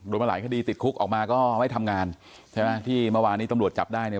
มาหลายคดีติดคุกออกมาก็ไม่ทำงานใช่ไหมที่เมื่อวานนี้ตำรวจจับได้เนี่ย